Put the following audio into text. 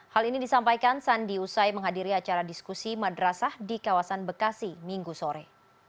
hal ini disampaikan sandi usai menghadiri acara diskusi madrasah di kawasan bekasi minggu sore